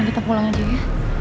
kita pulang aja ya